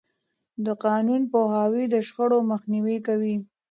د قانون پوهاوی د شخړو مخنیوی کوي.